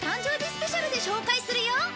スペシャルで紹介するよ！